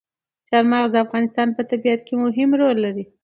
چار مغز د افغانستان په طبیعت کې مهم رول لري.